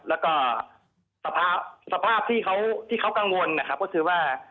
แล้วก็สภาพที่เขากังวลนะครับก็คือว่า